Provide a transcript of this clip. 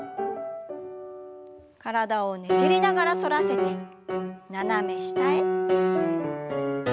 体をねじりながら反らせて斜め下へ。